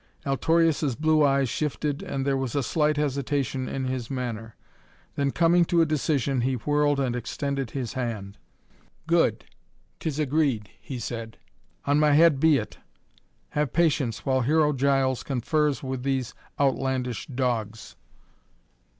Altorius' blue eyes shifted and there was a slight hesitation in his manner. Then, coming to a decision, he whirled and extended his hand. "Good, 'tis agreed," he said. "On my head be it. Have patience while Hero Giles confers with these outlandish dogs."